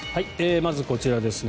まず、こちらですね。